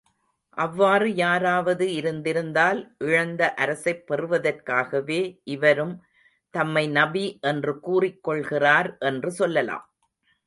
அவ்வாறு யாராவது இருந்திருந்தால், இழந்த அரசைப் பெறுவதற்காகவே, இவரும் தம்மை நபி என்று கூறிக் கொள்கிறார் என்று சொல்லலாம்.